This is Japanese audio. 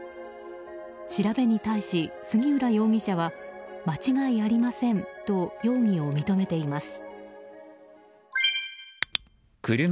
調べに対し杉浦容疑者は間違いありませんと容疑を認めています。